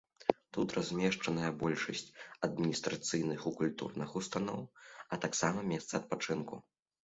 Тут размешчаная большасць адміністрацыйных і культурных устаноў, а таксама месцы адпачынку.